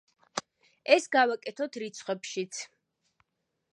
ეს გავაკეთოთ რიცხვებშიც.